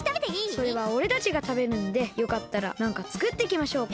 それはおれたちがたべるんでよかったらなんかつくってきましょうか？